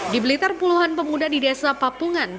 di blitar puluhan pemuda di desa papungan